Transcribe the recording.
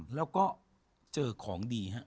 แล้วก็เจอของดีฮะ